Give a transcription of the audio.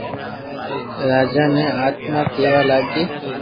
راجا ني آتما ڪيوا لاگي